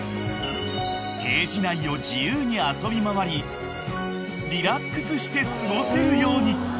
［ケージ内を自由に遊び回りリラックスして過ごせるように］